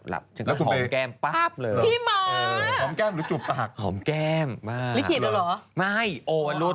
แล้วทุกวันนี้เอาไหมหรอเค้าขอจูบปากไว้เนี่ยโห่๑๕๐๐